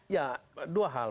ya dua hal